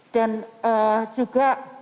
dan eh juga